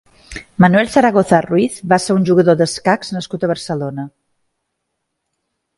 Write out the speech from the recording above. Manuel Zaragoza Ruiz va ser un jugador d'escacs nascut a Barcelona.